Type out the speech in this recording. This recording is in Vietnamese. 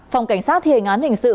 phòng cảnh sát hiền án hình sự